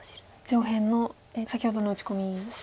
上辺の先ほどの打ち込みですか？